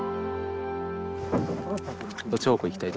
どっち方向行きたいとかある？